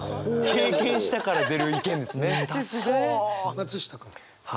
松下君は？